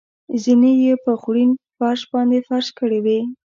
زېنې یې په خوړین فرش باندې فرش کړې وې.